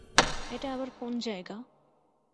এটা আবার কোন জায়গা?